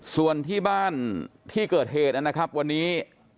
ส่วนที่บ้านที่เกิดเหตุนะครับวันนี้